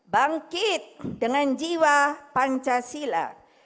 bangkit dengan jiwa pancasila